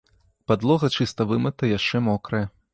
Падлога чыста вымыта, яшчэ мокрая.